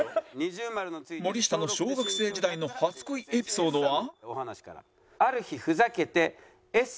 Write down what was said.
森下の小学生時代の初恋エピソードは